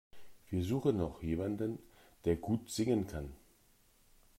Wir suchen noch jemanden, der gut singen kann.